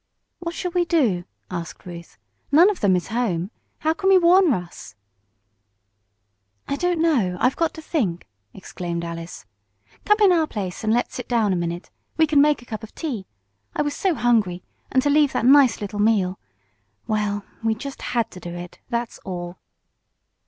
"What shall we do?" asked Ruth. "None of them is home. How can we warn Russ?" "I don't know. I've got to think!" exclaimed Alice. "Come in our place and let's sit down a minute. We can make a cup of tea. I was so hungry, and to leave that nice little meal well, we just had to do it, that's all."